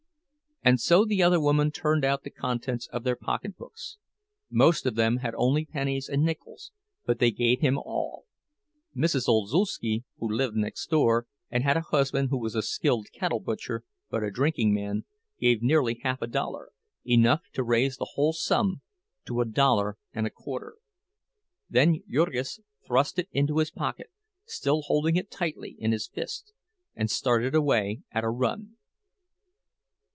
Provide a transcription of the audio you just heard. And so the other women turned out the contents of their pocketbooks; most of them had only pennies and nickels, but they gave him all. Mrs. Olszewski, who lived next door, and had a husband who was a skilled cattle butcher, but a drinking man, gave nearly half a dollar, enough to raise the whole sum to a dollar and a quarter. Then Jurgis thrust it into his pocket, still holding it tightly in his fist, and started away at a run.